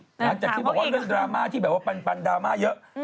หลังจากที่บอกว่าเรื่องดราม่าที่แบบว่าปันดราม่าเยอะ